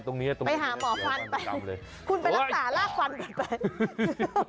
เตี๋ยวฟันไปหาหมอฟันไปคุณไปรักษารากฟันกันไป